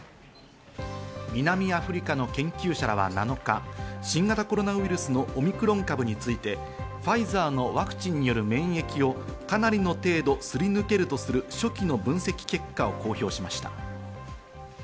南アフリカの研究者らは７日、新型コロナウイルスのオミクロン株についてファイザーのワクチンによる免疫をかなりの程度すり抜けるとする初期の分析結果を公表しました。